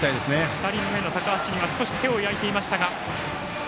２人目の高橋には少し手を焼いていましたが。